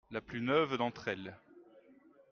La plus neuve d'entre elles.